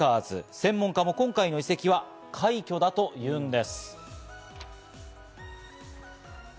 専門家も今回の移籍は快挙だというんです。